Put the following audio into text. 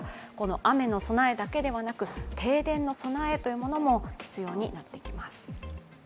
雨の備えだけではなく、停電の備えも必要になってきます。